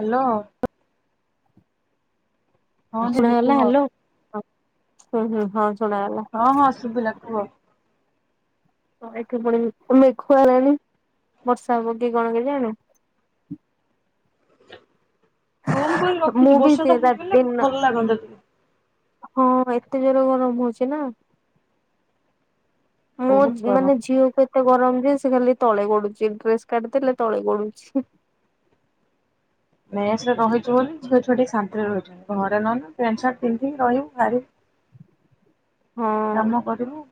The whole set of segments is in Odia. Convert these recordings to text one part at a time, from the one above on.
ହ୍ୟାଲୋ। ହଁ ଦିଦି ଶୁଣାଗଲା କୁହ ହ୍ୟାଲୋ ହଁ ହୁଁ ହୁଁ ହଁ ଶୁଣାଗଲା। ହଁ ହଁ ଶୁଭିଲା କୁହ? ଏଠି ଫୁଣି ମେ ମେଘ ହେଲାଣି ବର୍ଷା ହେବକି କଣ କେଜାଣି। ଗୁମ କରି ମୁଁ ରଖିଛି ବି ବର୍ଷା ହେଇଗଲେ ଭଲ ଲାଗନ୍ତା ଟ ହୋଁ ଏତେ ଜୋରେ ଗରମ ହୋଉଚି ନା। ମୋ ବହୁତ ଗରମ। ମାନେ ଝିଅକୁ ଏତେ ଗରମ ଯେ ସେ ଖାଲି ତଳେ ଗଡୁଚି ଡ୍ରେସ କାଢିଦେଲେ ତଳେ ଗଡୁଚି। ମେସ ରହିଚୁ ବୋଲି ଝିଅ ଛୁଆ ଟିକେ ଶାନ୍ତିରେ ରହିଚନ୍ତି ଘରେ ନହେଲେ ପ୍ୟାଣ୍ଟ ସାର୍ଟ ପିନ୍ଧିକି ରହିବୁଭାରି ହଁ କାମ କରୀମୁ।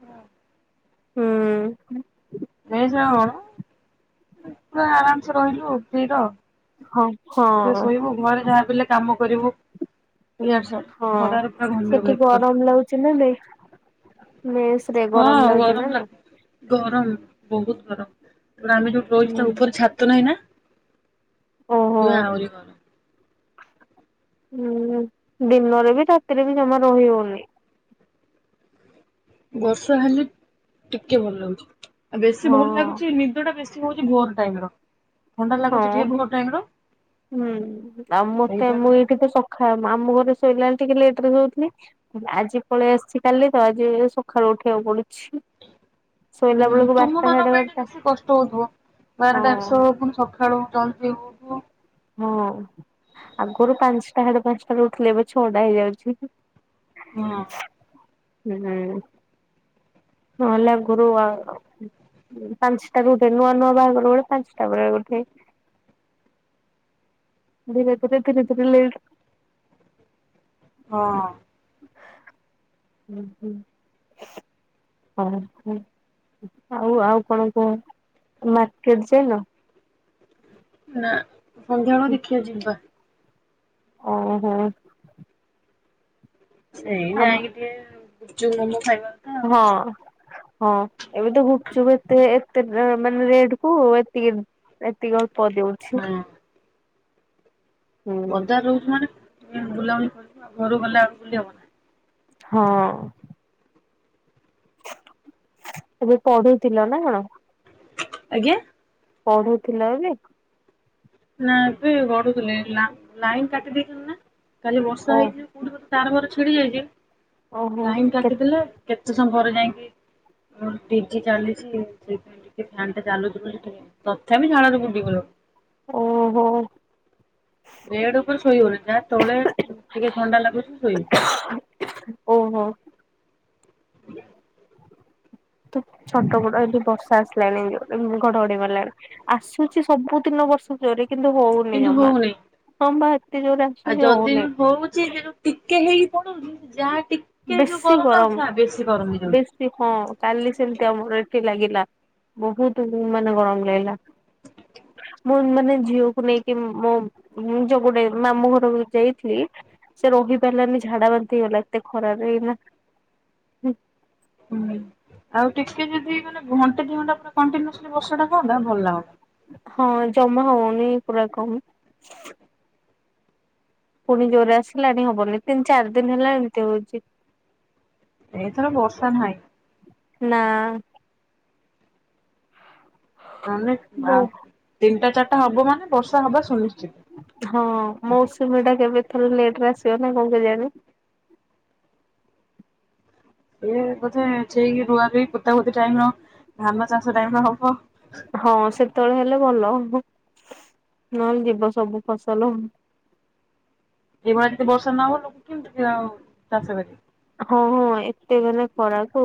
ହୁଁ। ମେସରକଣ ପୁରା ଆରାମସେ ରହିଲୁ ଆଉ ଫ୍ରିର। ହ ହ। ଟି ଶୋଇବୁ ଘରେ ଯାହା ବି ହେଲେ କାମ କରିବୁ। ଏଆର ସାର୍ ଖରାରେ ପୁରା ଘମିର ଗଳି ପଡନ୍ତି। [unintelligible] ମେସରେ ଗରମ ହଁ ଲାଗୁଚି ନା ନାଇଁ। ଲାଗୁ ଗରମ ବୋହୁତ ଗରମ ଆମେ ଯୋଉ ରହିଚୁ ହୁଁ ଟା ଉପରେ ଛା ତ ନାହିଁ ନା ଓହୋ ସେଥିପାଇ ଆହୁରି ଗର ଉଁ ହୁଁ ଦିନରେ ବି ରାତିରେ ବି ଜମା ରହି ହଉନି। ବର୍ଷା ହେଲେ ଟିକେ ଭଲ ଲାଗୁଚି ଆଉ ବେଶୀ ଭଲ ହଁ ଲାଗୁଚି ନିଦ ଟା ବେଶୀ ଚି ଭୋର ଟାଇମ ର। ଥଣ୍ଡା ହଁ ଲାଗୁଛି ଟିକେ ହ ଭୋର ଟାଇମ ର ହୁଁ ଆଉ ମତେ ସେଇଟା ମୁଁ ଏଇଠି ତ ସ ଖା ମାମୁଁ ଘରେ ଶୋଇଲାଳେ ଟିକେ ଲେଟ ରେ ସୋଉଥିଲି ଆଜି ପଳେଇ ଆସିଚି କାଲି ତ ଆଜି ସକାଳୁ ଉଠିବାକୁ ପଡୁଚି। ହୁଁ ତୁମ ମାନଙ୍କ ପାଇଁ ଟିକ ବାରଟା ବେଶୀ କଷ୍ଟ ହଉଥିବ ବାରଟାରେ ହଁ। ସୋ ପୁଣି ସ କାଳୁ ଜଲ୍ଦି ଉଠ ହଁ ଆଗରୁ ପାଞ୍ଚଟା ସାଡେ ପାଞ୍ଚଟା ଉଠୁଥିଲେ ଏବେ ଛଅଟା ହେଇଯାଉଚି। ହଁ। ହୁଁ। ନଲା ଗୁରୁ ପାଞ୍ଚଟା ରେ ଉଠେ ନୂଆ ନୂଆ ବାହାଘର ଗୋଳେ ପାଞ୍ଚଟା ବେଳେ ଉଠେ। ଧୀରେ ଧୀରେ ଧୀରେ ଲେଟେ ହଁ। [inaudible] ଆଉ ଆଉ କଣ କୁହ ମାର୍କେଟ ଯାଇନ। ନା ସନ୍ଧ୍ୟାବେଳେ ଦେଖିଆ ଯିବା। ଓହୋ। ସେଇ ଆମ ଯାଇଁକି ଟିକେ ଗୁପଚୁପ୍ ମୋମୋ ଖାଇବା କଥା ହଁ ହଁ ଏବେ ତ ଗୁପ୍ ଚୁପ୍ ଏତେ ଏ ତେ ମାନେ ରେଟ୍ କୁ ଏତିକି ଏତିକି ଅଳ୍ପ ଦେଉଚି। ବଜାର୍ ରୋହୁଚି ମାନେ ବୁଲାବୁଲି କରଚୁ ଆଉ ଘରୁ ଗଲେ ଆଉ ବୁଲି ହବନି। ହଁ। ଏବେ ପଢୁଥିଲ ନା କଣ। ଆଜ୍ଞା। ପଢୁଥିଲ କି। ନା ଏବେ ଗଡୁଥିଲେ ଲା ଲାଇନ୍ କାଟି ଦେଇଥିଲେ ନା କାଲି ଓ ବର୍ଷା ହେଇଚି ଯୋ କୋଉଠି ଗୋଟେ ତାର ଫାର ଛିଡି ଯାଇଚି ଓହୋ ଲାଇନ୍ କେ କାଟିଦେଲେ କେତେ ସମପରେ ଯାଇକି ମୋର ଡିଜି ଚାଲିଚି ସେଇପାଇଁ। ଟିକେ ଫ୍ୟାନ୍ ଟା ଚାଲୁୁଚି ବୋଲି ତଥାପି ଝାଳରେ ଭେଦି ଗଲୁଣି। ଓହୋ। ବେଡ୍ ଉପରେ ଶୋଇ ହଉନି ଯାହା ତଳେ ଟିକେ ଥଣ୍ଡା ଲାଗୁଚି ଶୋଇବୁ। ଓହୋ। ତ ଛଟପଟ ହେଲି ବର୍ଷା ଆସିଲାଣି ଘଡଘଡି ମାରିଲାଣି। ଆସୁଚି ସବୁ ଦିନ ବର୍ଷା ଜୋରେ କିନ୍ତୁ ହଉନି କିନ୍ତୁ ଜମା ହଉନି ହଁ ବା ଏତେ ଜୋରେ ଆଉ ଆସୁଚି ଯଦି ବି ହଉନି। ହଉଛି ଯେ ଯୋଉ ଟିକେ ହେଇକି ପଳଉଚି ଯାହା ଟିକେ ଯଉ ବେଶୀ ଗରମ୍ ଗରମ ଲାଗୁଚି ବେଶୀ ଗରମ ହେଇଯାଉଚି। ବେଶୀ ହଁ କାଲି ସେମିତି ଆମର ଏଠି ଲାଗିଲା ବହୁତୁ ମାନେ ଗରମ୍ ଲାଗିଲା। ମୁଁ ମାନେ ଝିଅକୁ ନେଇକି ମୋ ଯଉ ଗୋଟେ ମାମୁଁ ଘରକୁ ଯାଇଥିଲି ସେ ରହି ପାରିଲାନି ଝାଡା ବାନ୍ତି ହେଇଗଲା ଏତେ ଖରାରେ ଏଇନା ହୁଁ ଆଉ ଟିକେ ଯଦି ମାନେ ଘଣ୍ଟେ ଦି ଘଣ୍ଟା ପୁରା କଣ୍ଟିନୁସଲି ବର୍ଷା ଟା ହୁଅନ୍ତା ଭଲ୍ ଲାଗନ୍ତା। ହଁ ଯମା ହଉନି ପୁରା କମ୍ ପୁଣି ଜୋରେ ଆସିଲାଣି ହବନି ତିନି ଚାରି ଦିନି ହେଲା ଏମିତି ହଉଚି। ଏଈଥର ବର୍ଷା ନାହିଁ। ନା। ମାନେ ବୋ ତିନିଟା ଚାରିଟା ହବ ମାନେ ବର୍ଷା ହବା ସୁନିଶ୍ଚିତ୍। ହଁ ମୌସୁମୀ ଟା କେବେ ଥରେ ଲେଟ୍ ରେ ଆସିବ ନା କଣ କେଜାଣି। ଈଏ ବୋଧେ ଠିକି ରୁଆ ରୁଇ ପୋତା ପୋତି ଟାଇମ୍ ର ଧାନ ଚାଷ ଟାଇମ୍ ର ହବ। ହଁ ସେତେବେଳେ ହେଲେ ଭଲ ନହେଲେ ଯିବ ସବୁ ଫସଲ। ଏଇଭଳିଆ ତ ବର୍ଷା ନ ହବ ଲୋକ କେମିତି ଆଉ ଚାଷ କରିବେ? ହଁ- ହଁ ଏତେ ମାନେ ଖରା କୁ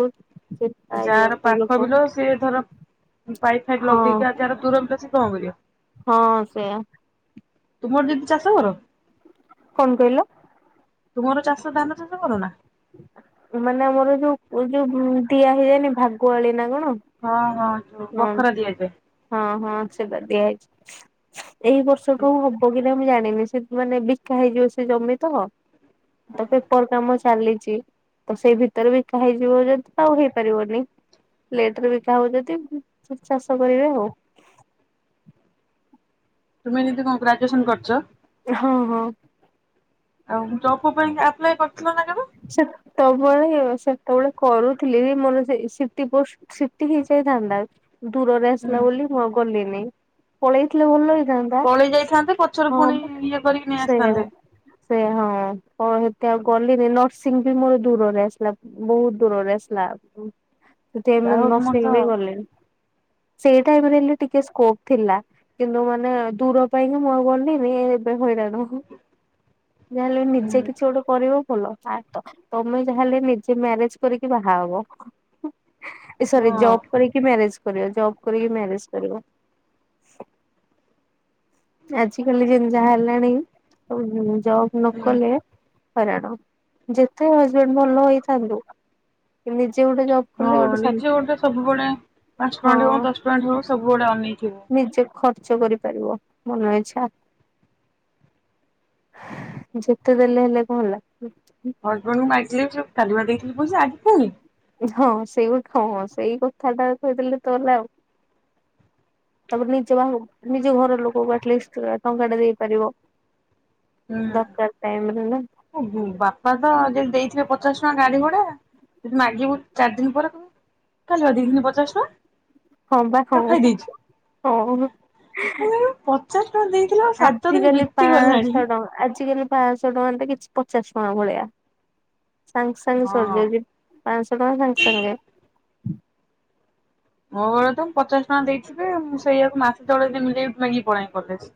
ଆ -ଯାର ପାଖ ବିଲ ସିଏ ଧର ପାଇପ୍ ଫାଇପ୍ ହଁ ଲଗେଇକି ଆ ଯାହାର ତୁରନ୍ତ ସେ କଣ କରିବ। ହଁ ସେଇୟା ତୁମର ଦିଦି ଚାଷ କର? କଣ କହିଲ ତୁମର ଚାଷ ଧାନ ଚାଷ କରନା? ମାନେ ଆମର ଯୋଉ ଯୋଉ ଦିଆ ହେଇଯାଏନି ଭାଗୁଆଳି ନା କଣ? ହଁ ହଁ ବଖରା ଦିଆଯାଏ। ହଁ ହଁ ସେଟା ଦିଆ ହେଇଚି। ଏଇ ବର୍ଷ ଠୁ ହବ କି ନାହିଁ ମୁଁ ଜାଣିନି ସେ ମାନେ ବିକା ହେଇଯିବ ସେ ଜମି ତ। ତ ପେପର୍ କାମ ଚାଲିଚି। ତ ସେଇ ଭିତରେ ବିକା ହେଇଯିବ ଯଦି ଆଉ ହେଇପାରିବନି ଲେଟ୍ ରେ ବିକା ହବ ଯଦି ସେ ଚାଷ କରିବେ ଆଉ। ତୁମେ ଦିଦି କଣ୍ ଗ୍ରାଜୁଏସନ କରିଚ? ହଁ ହଁ। ଆଉ ଜବ୍ ଫବ୍ ପାଇଁ ଆପ୍ଲାଏ କରିଥିଲ ନା କେବେ? ସେତବେଳେ ସେତବେଳେ କରୁଥିଲି ମୋର ସେ ସିଟି ପୋଷ୍ଟ୍ ସେଠି ହେଇଯାଇଥାନ୍ତା ଦୂରରେ ହୁଁ। ଆସିଲା ବୋଲି ମୁଁ ଆଉ ଗଲିନି ପଳେଇଥିଲେ ଭଲ ହେଇଥାନ୍ତା ପଳେଇ ଯାଇଥାନ୍ତେ ପଛରେ ହଁ ପୁଣି ମ ଇଏ କରିକି ନେଇ ସେଇଆ ଆସିଥାନ୍ତେ। ସେ ହଁ କଣ ଅ ହେତି ଆଉ ଗଲିନି ନ ସିଂ ବି ମୋର ଦୂରରେ ଆସିଲା ବହୁତ ଦୂରରେ ଆସିଲା ଯାହା ହଉ ତୁମର ତ ନର୍ସିଙ୍ଗ ବି ଗଲିନି ସେଇ ଟାଇମ ରେ ହେଲେ ଟିକେ ସ୍କୋପ ଥିଲା। କିନ୍ତୁ ମାନେ ଦୂର ପାଇଁ କି ଆଉ ମୁଁ ଗଲିନି ଏବେ ହଇରାଣ ଊଂହୁଁ ଯାହା ହେଲେ ବି ନିଜେ କିଛି ଗୋଟେ କରିବ ଭଲ ଆ ତ ତମେ ଯାହାେଲେ ନିଜେ ମ୍ୟାରେଜ କରିକି ବାହା ହବ ଏ ସରି ହଁ ଜବ୍ କରିକି ମ୍ୟାରେଜ କର ଜବ କରିକି ମ୍ୟାରେଜ କରିବ। ଆଜ କାଲି ଯେମିତି ଯାହା ହେଲାଣି ଜବ ନ କଲେ ହଇରଣା ଯେତେ ହଜେବେଣ୍ଡ ଭଲ ହେଇ ଥାନ୍ତୁ ନିଜେ ଗୋଟେ ହଁ ଶାନ୍ତି ନିଜେ ଗୋଟେ ସବୁବେଳେ ପାଞ୍ଚ ଟଙ୍କା ଟେ ହଉ ହଁ ଦଶ ଟଙ୍କା ଟେ ହଉ ସବୁବେଳେ ଅନେଇଥିବେ ନିଜେ ଖର୍ଚ୍ଚ କରିପାରିବ ମନ ଇଛା ଯେତେ ଦେଲେ ହେଲେ କଣ ହେଲା ହୁଁ ହୁଁ ହଜବେଣ୍ଡଙ୍କୁ ମାଗିଲେ ସେ କାଲି ବା ଦେଇଥିଲି ପଇସା ଆଜି ଫୁଣି ହଁ ସେଇ ହଁ ସେଇ କଥାଟା କହିଦେଲେ ତ ସଇଲା ଆଉ ତାପରେ ନିଜ ବା ନିଜ ଘର ଲୋକଙ୍କୁ ଆଟଲିଷ୍ଟ ଟଙ୍କା ଟା ଦେଇପାରିବ ଦରକାର ଟାଇମ୍ ରେ ନା ବାପା ତ ଯେଦି ଦେଇଥିବେ ପଚାଶ ଟଙ୍କା ଗାଡି ଭଡା ଯଦି ମାଗିବୁ ଚାରି ଦିନ ପରେ ତ କାଲି ପା ଦେଇଥିଲି ପଚାଶ ଟଙ୍କା ହଁ ପା ହଁ ଟା ଖାଇ ଦେଇଛି। ହଁଲୋ ମୁଁ କହିଲି ପଚାଶ ଟଙ୍କା ଦେଇଥିଲ ଆଉ ସାତ ଆଜି ଦିନ କାଲି ବିତି ଗଲାଣି ପାଞ୍ଚଶହ ଟଙ୍କା ଆଜିକାଲି ପାଞ୍ଚଶହ ଟଙ୍କା ଟି କିଛି ପଚାଶ ଟଙ୍କା ଭଳିଆ। ସାଙ୍ଗେ ସାଙ୍ଗେ ସାରି ହଁ। ଯାଉଛି ପାଁସ ଟଙ୍କା ସାଙ୍ଗେ ସାଙ୍ଗେ ମୋ ଘରେ ତ ପଚାଶ ଟଙ୍କା ଦେଇଥିବେ ମୁଁ ସେଇଆକୁ ମାସେ ଚଳେଇଦିଏ ମୁଁ ଲିଫ୍ଟ ମାଗିକି ପଳାଏ କଲେଜ୍‌।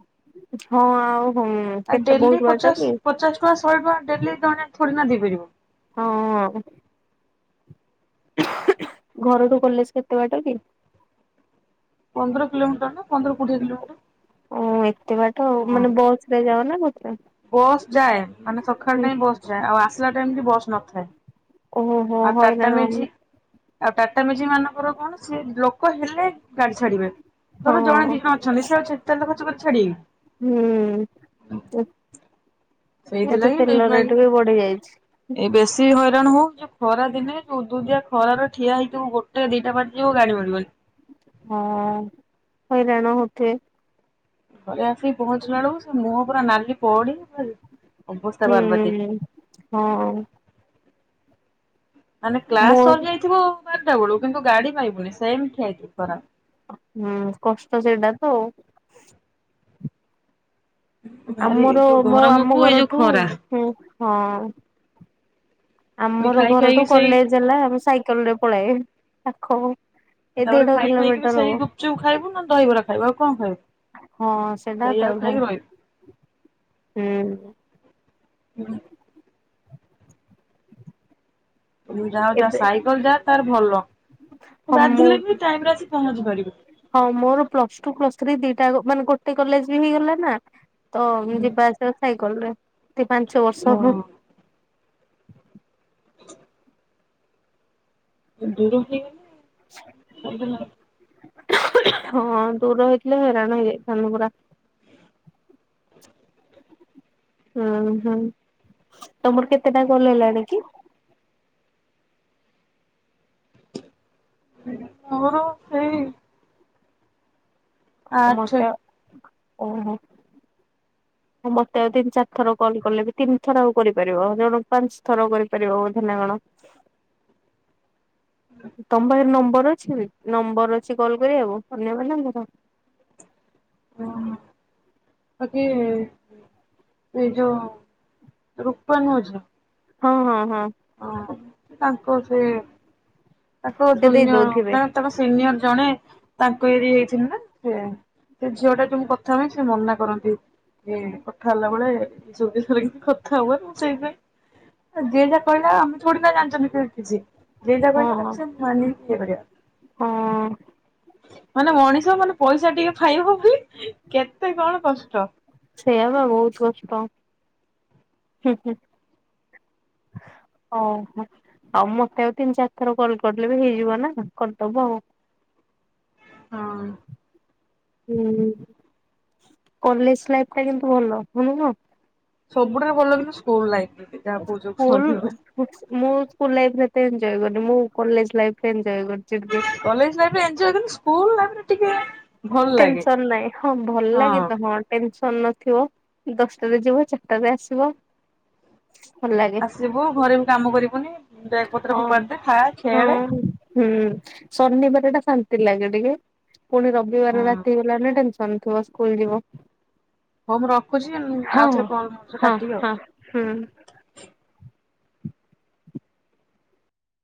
ହଁ ଅଁ ଆଉ ତ ହୋଉନି? ଆଉ ଡେଲି ପଚାଶ ପଚାଶ ଟଙ୍କା ଶହେ ଟଙ୍କା ଡେଲି ଥୋଡୀ ନା ଦେଇପାରିବ? ହୋଉ ଆଉ। ଘରଠୁ କଲେଜ କେତେ ବାଟ କି? ପନ୍ଦର କିଲୋମିଟର ନା ପନ୍ଦର କୋଡିଏ କିଲୋମିଟର। ଓ ଏତେ ବାଟ ଆଉ ହଁ। ମାନେ ବସ ରେ ଯାଅ ନା କୋଉଥିରେ? ବସ୍ ଯାଏ ମାନେ ସକାଳ ଟାଇମ ବସ୍ ଯାଏ ଆଉ ଆସିଲା ଟାଇମ କି ବସ୍ ନଥାଏ। ଓହୋ ଆଉ ଟାଟା ହଇରାଣ ମାଜିକ୍। ଆଉ ଟାଟା ମେଜିକ୍ ମାନଙ୍କର କଣ ସେ ଲୋକ ହେଲେ ଗାଡି ଛାଡିବେ। ହଁ ଧର ଜଣେ ଦି ଜଣ ଲୋକ ଅଛନ୍ତି ସେ ଆଉ ତେଲ ଖର୍ଚ୍ଚ କରିକି ଛାଡିବେକି। ହୁଁ ଏତ ସେଇଥିଲାଗି ଲିଫ୍ଟ ତେଲ ମାଗି ରେଟ୍ ବି ବଢି ଯାଇଛି। ଏଇ ବେଶୀ ହଇରାଣ ହୋଉ ଯୋଉ ଖରା ଦିନେ ଯୋଉ ଉଡ଼ଉଦିଆ ଖରରେ ଠିଆ ହେଇଥିବ ଗୋଟେ ଦିଟା ବାଜି ଯିବ ଗାଡି ମିଳିବନି। ହଅଁ ହଇରାଣ ହୋଉଥିବେ। ଘରେ ଆସିକି ପହଞ୍ଚିଲା ବେଳକୁ ସେ ମୁହଁ ପୁରା ନାଲି ପଡି କି ପୁରା ହୁଁ ହଁ। ମାନେ କ୍ଲାସ ମୋର ସରିଯାଇଥିବ ବାରଟା ବେଳୁ କିନ୍ତୁ ଗାଡି ପାଇବୁନି। ସେମିତି ଠିଆ ହେଇଥିବୁ ଖରାରେ। ହୁଁ କଷ୍ଟ ସେଇଟା ତ ଆଉ। ଭାରି ଆମର ଯୋଉ ମୋ ଆମ ଗରମକୁ ଏଇ ଯୋଉ ଘରଠୁ ଖରା ଉଁ ହଁ ଆମର ଖାଇ ଖାଇକି ଘରଠୁ ସେଇ କଲେଜ ହେଲା ସାଇକେ ସାଇକେଲ ରେ ପଲାଏ ପାଖ ହବ। ଦେଢ କିଲୋମିଟର ହବ। ଗୁପ୍ ଚୁପ୍ ଖାଇବୁ ନହେଲେ ଦହିବରା ଖାଇବୁ ଆଉ କଣ ଖାଇବୁ। ହଁ ସେଟା ତ ସେଇଆକୁ ହୁଁ। ଖାଇକି ହୁଁ। ଯାଅ ଯା ଏବେ ସାଇକେଲ ଯା ତାର ଭଲ ଉଁ ହଁ ମୁଁ ବାଧିଲେ ବି ଟାଇମ୍ ରେ ଆସି ପହଞ୍ଚି ପାରିବେ। ହଁ ମୋର ପ୍ଲସ୍ ଟୁ ପ୍ଲସ୍‌ ଥ୍ରୀ ଦିଟା ମାନେ ଗୋଟେ କଲେଜ ବି ହେଇଗଲା ନା। ତ ଯିବା ଆସିବା ସାଇକେଲ୍ ରେ ଦି ପାଞ୍ଚ ବର୍ଷ। ହଁ। ଦୂର ହିଁ। ହଁ ଦୂର ହେଇଥିଲେ ହଇରାଣ ହେଇଯାଇଥାନ୍ତୁ ପୁରା। ହୁଁ ହୁଁ ତମର କେତେ ଟା କଲ୍ ହେଲାଣି କି? ମୋର ସେଇ ଆଠ ମୋଟା ଓହୋ। ହଁ ମତେ ଆଉ ତିନି ଚାରି ଥର କଲ୍ କଲେ ବି ତିନି ଥର ଆଉ କରିପାରିବ ଜଣ ପାଞ୍ଚ ଥର କରିପାରିବ ବୋଧେ ନା କଣ? ହୁଁ। ତମ ପାଖରେ ନମ୍ବର ଅଛି ନମ୍ବର ଅଛି କଲ୍ କରିବାକୁ ଧନ୍ୟବାଦ ନାର ହଁ ଆଜି ଏଇ ଯୋଉ ରୁପାନୁଝ। ହଁ ହଁ ହଁ। ହଁ ତାଙ୍କ ସେ ତାଙ୍କ ସେ ଦେଇ ଦୁନ୍ୟନା ଦଉଥିବେ ତାଙ୍କ ସିନିୟର ଜଣେ ତାଙ୍କ ଏରି ହେଇଥିଲେ ନା ସେ ସେ ଝିଅ ଟା ଯୋଉ ମୁଁ କଥା ହୁଏ ସେ ମନା କରନ୍ତି। ହୁଁ କଥା ହେଲା ବେଳେ ଏଇ ସବୁ ବିଷୟରେ କିଛି କଥା ହବନି। ମୁଁ ସେଇପାଇଁ ଯିଏ ଯାହା କହିଲା ଆମେ ଥୋଡି ନା ଜାଣିଚନ୍ତି କିଏ କି ସେ ଯିଏ ଯାହା ହଁ କହିଲା ହଁ। ତାକୁ ସେ ମାନିକି ୟେ କରିବା କଥା। ମାନେ ମଣିଷ ମାନେ ପଇସା ଟିକେ ପାଇବ ବୋଲି କେତେ କଣ କଷ୍ଟ। ସେଇଆ ପା ବୋହୁତ କଷ୍ଟ ହୁଁ ହୁଁ। ଓହୋ ଆଉ ମତେ ଆଉ ତିନି ଚାର ଥର କଲ କରିଲେ ବି ହେଇଯିବ ନା କରିଦବ ଆଉ। ହଁ। ହୁଁ କଲେଜ ଲାଇଫ ଟା କିନ୍ତୁ ଭଲ। ଭଲ ନୁହଁ? ସବୁଠାରୁ ଭଲ କିନ୍ତୁ ସ୍କୁଲ ଲାଇଫ ଦିଦି। ସ୍କୁଲ ମୁଁ ସ୍କୁଲ ଲାଇରେ ଏତେ ଏଞ୍ଜୟେ କରିନି। ମୁଁ କଲେଜ ଲାଇଫରେ ଏଞ୍ଜୟେ କରିଚି ଟିକେ। କଲେଜ ଲାଇଫ୍ ରେ ଏଞ୍ଜୟେ କଲି। ସ୍କୁଲ ଲାଇଫ୍ ରେ ଟିକେ ଭଲ ଲାଗେ ଟେନସନ ନାହିଁ। ହଁ ଭଲ ଲାଗେ ତ ହଁ। ଟେନସନ ନଥିବ ଦଶଟାରେ ଯିବ ଚାରିଟାରେ ଆସିବ। ଭଲ ଲାଗେ ଆସିବୁ ଘରେ ବି କାମ କରିବୁନି ବେଗ ପତ୍ର ହଁ ଫୋପାଡି ଦେ ଖା ଖେଳେ। ହଁ। ହୁଁ ଶନିବାର ଟା ଶାନ୍ତି ଲାଗେ ଟିକେ ପୁଣି ହଁ ରବିବାର ରାତି ଗଲା ମାନେ ଟେନ୍ସ ନ୍ ଥିବ ସ୍କୁଲ ଯିବୁ। ହୋଉ ମୁଁ ରଖୁଚି। ଆଉ ଥରେ କଲ ମୋଥି ହଁ କାଟିବି ଆଉ। ହଁ ହୁଁ।